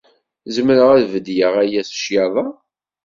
Zemreɣ ad d-beddleɣ aya s cclaḍa?